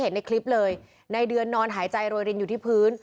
ในคลิปเลยในเดือนนอนหายใจโรยรินอยู่ที่พื้น